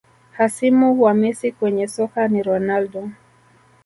Hasimu wa Messi kwenye soka ni Ronaldo